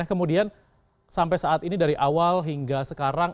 kemudian sampai saat ini dari awal hingga sekarang